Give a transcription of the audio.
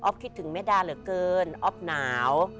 คิดถึงแม่ดาเหลือเกินอ๊อฟหนาว